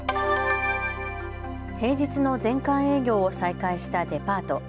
平日の全館営業を再開したデパート。